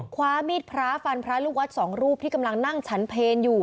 คว้ามีดพระฟันพระลูกวัดสองรูปที่กำลังนั่งฉันเพลอยู่